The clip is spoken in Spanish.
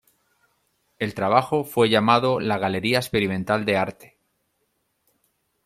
El trabajo fue llamado la Galería Experimental de Arte.